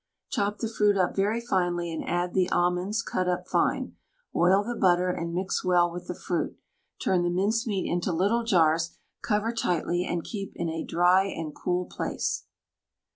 Chop the fruit up very finely, add the almonds cut up fine, oil the butter and mix well with the fruit. Turn the mincemeat into little jars, cover tightly, and keep in a dry and cool place.